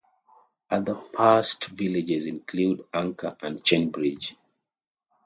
Other past villages include Anchor and Chain Bridge.